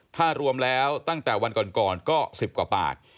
ถ้ารวมแล้วตั้งแต่วันก่อนก็๑๐กว่าปาก